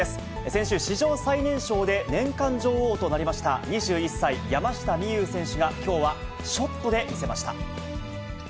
先週、史上最年少で年間女王となりました、２１歳、山下美夢有選手がきょうはショットで見せました。